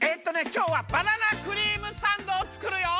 きょうはバナナクリームサンドをつくるよ！